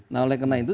nah oleh kena itu